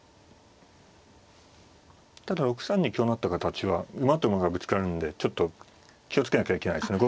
ただ６三に香成った形は馬と馬がぶつかるんでちょっと気を付けなきゃいけないですね。